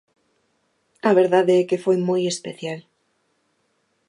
A verdade é que foi moi especial.